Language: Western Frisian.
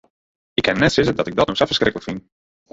Ik kin net sizze dat ik dat no sa ferskriklik fyn.